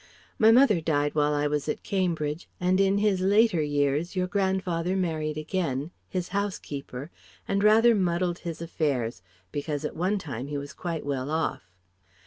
My mother died while I was at Cambridge and in his later years your grandfather married again his housekeeper and rather muddled his affairs, because at one time he was quite well off.